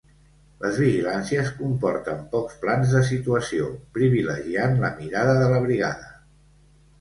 Les vigilàncies comporten pocs plans de situació, privilegiant la mirada de la brigada.